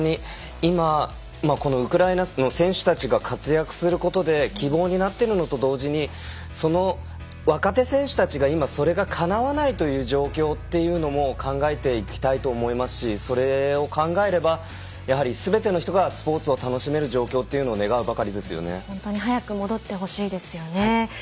今、ウクライナの選手たちが活躍することで希望になっているのと同時に若手選手たちがそれがかなわないという状況というのも考えていきたいと思いますしそれを考えればやはり、すべての人がスポーツを楽しめる状況を早く戻ってほしいですよね。